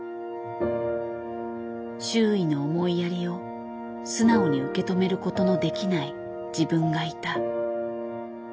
周囲の思いやりを素直に受け止めることのできない自分がいた。